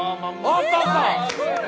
あったあった！